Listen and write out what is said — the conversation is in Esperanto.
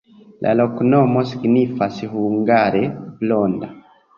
La loknomo signifas hungare: blonda.